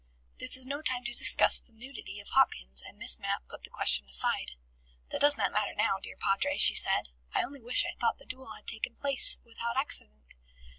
This was no time to discuss the nudity of Hopkins and Miss Mapp put the question aside. "That does not matter now, dear Padre," she said. "I only wish I thought the duel had taken place without accident.